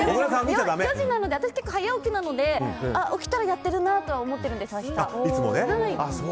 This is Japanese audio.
私結構早起きなので起きたらやってるなとはいつも思ってるんです。